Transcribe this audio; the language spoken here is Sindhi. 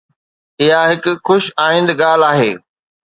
اها هڪ خوش آئند ڳالهه آهي.